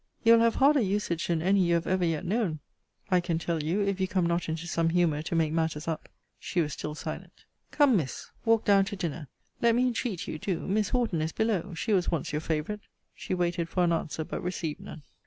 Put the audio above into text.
You will have harder usage than any you have ever yet known, I can tell you, if you come not into some humour to make matters up. She was still silent. Come, Miss, walk down to dinner. Let me entreat you, do. Miss Horton is below: she was once your favourite. She waited for an answer: but received none.